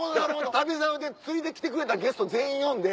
『旅猿』で釣りで来てくれたゲスト全員呼んで。